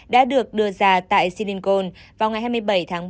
đã được đưa ra tại silicon vào ngày hai mươi bảy tháng ba